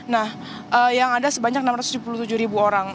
nah yang ada sebanyak enam ratus tujuh puluh tujuh ribu orang